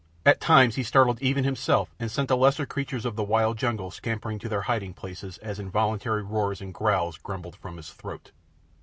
At times he startled even himself and sent the lesser creatures of the wild jungle scampering to their hiding places as involuntary roars and growls rumbled from his throat.